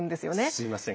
すみません。